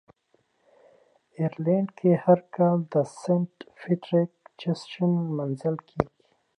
آیرلنډ کې هر کال د "سینټ پیټریک" جشن لمانځل کیږي.